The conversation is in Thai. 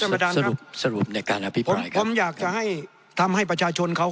ประธานสรุปสรุปในการอภิปรายครับผมอยากจะให้ทำให้ประชาชนเขา